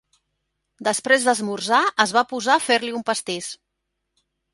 Després d'esmorzar es va posar a fer-li un pastís.